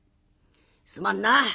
「すまんな。